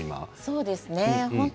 そうですね。